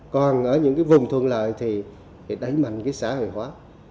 còn ở những vùng thuận lợi thì đẩy mạnh xã hội hóa